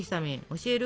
教える？